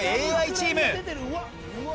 ＡＩチーム。